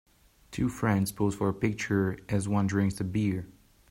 Two friends pose for a picture as one drinks a beer.